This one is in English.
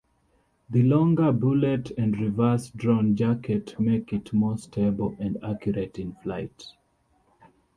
The longer bullet and reverse-drawn jacket make it more stable and accurate in-flight.